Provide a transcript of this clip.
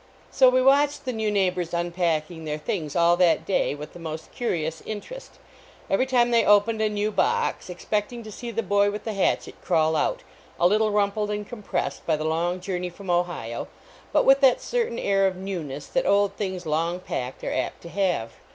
So we watched the new neighbors unpacking their things all that day, with the most curi ous interest, every time they opened a new box expecting to see the boy with the hatch et crawl out, a little rumpled and comprcs>i d by the long journey from Ohio, but with that certain air of newness that old things long j >acked are apt to have.